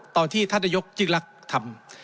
ตอนที่ท่านนายกจิลลักษณ์ทำ